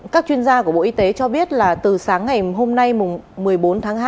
các chuyên gia của bộ y tế cho biết là từ sáng ngày hôm nay một mươi bốn tháng hai